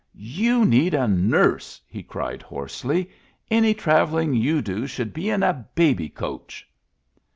"You need a nurse!" he cried hoarsely. " Any travelling you do should be in a baby coach.